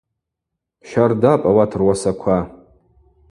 Щардапӏ ауат руасаква.